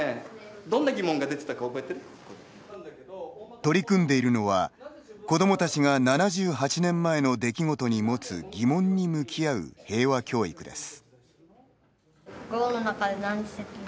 取り組んでいるのは子どもたちが７８年前の出来事に持つ疑問に向き合う平和教育です。